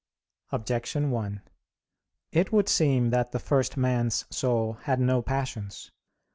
Objection 1: It would seem that the first man's soul had no passions.